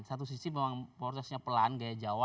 satu sisi memang prosesnya pelan gaya jawa